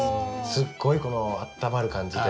すっごいあったまる感じで。